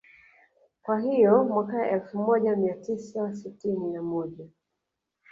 Kwa hiyo Mwaka elfu moja mia tisa sitini na moja